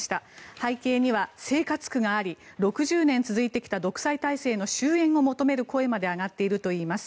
背景には生活苦があり６０年続いてきた独裁体制の終えんを求める声まで上がっているといいます。